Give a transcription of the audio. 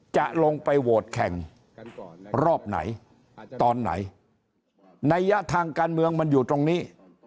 จะลงไปโหวตแข่งรอบไหนตอนไหนนัยยะทางการเมืองมันอยู่ตรงนี้